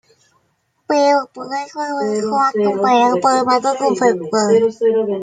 Pero esta vez los relatos son acompañados de un marco conceptual.